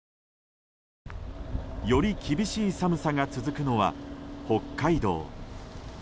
より厳しい寒さが続くのは北海道。